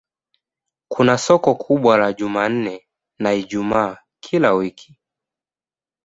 Kuna soko kubwa la Jumanne na Ijumaa kila wiki.